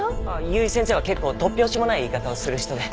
由井先生は結構突拍子もない言い方をする人で。